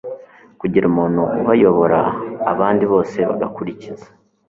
kugira umuntu ubayobora abandi bose bagakurikiza